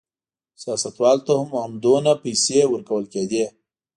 سیاستوالو ته هم همدومره پیسې ورکول کېدې.